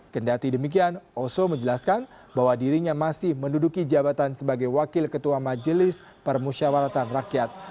kendati demikian oso menjelaskan bahwa dirinya masih menduduki jabatan sebagai wakil ketua majelis permusyawaratan rakyat